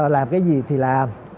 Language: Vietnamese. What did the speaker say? làm cái gì thì làm